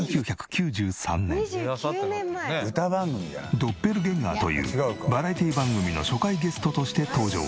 「２９年前」「歌番組じゃない？」『ドッペルゲンガー』というバラエティー番組の初回ゲストとして登場。